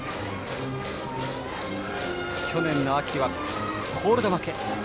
去年の秋はコールド負け